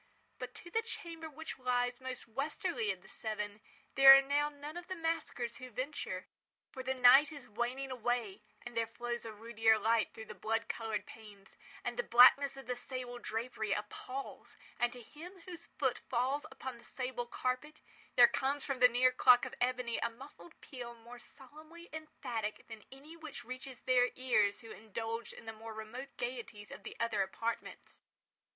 But to the chamber which lies most westwardly of the seven, there are now none of the maskers who venture; for the night is waning away; and there flows a ruddier light through the blood coloured panes; and the blackness of the sable drapery appals; and to him whose foot falls upon the sable carpet, there comes from the near clock of ebony a muffled peal more solemnly emphatic than any which reaches their ears who indulged in the more remote gaieties of the other apartments.